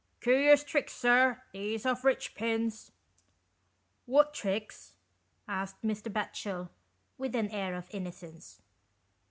" Curious tricks, sir, these of Richpin's." " What tricks ?" asked Mr. Batchel, with an air of innocence.